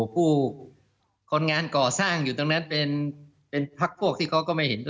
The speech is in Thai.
ผู้คนงานก่อสร้างอยู่ตรงนั้นเป็นพักพวกที่เขาก็ไม่เห็น